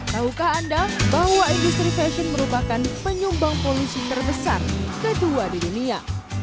taukah anda bahwa industri fashion merupakan penyumbang polusi terbesar kedua di dunia